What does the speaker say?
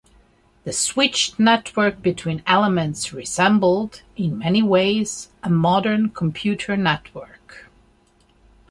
The switched network between elements resembled, in many ways, a modern computer network.